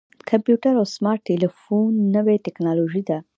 کمپیوټر او سمارټ ټلیفون نوې ټکنالوژي ده.